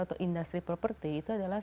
atau industri properti itu adalah